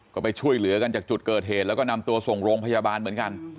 ก็ไปช่วยเหลือกันจากจุดเกิดเหตุแล้วก็นำตัวส่งโรงพยาบาลเหมือนกัน